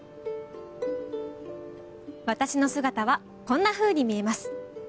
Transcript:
私の姿はこんなふうに見えます。